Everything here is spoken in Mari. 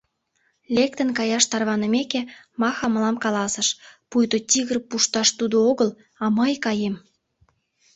Лектын каяш тарванымеке, Маха мылам каласыш: пуйто тигр пушташ тудо огыл, а мый каем.